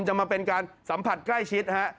จะมาเป็นการสัมผัสใกล้ชิดฮะ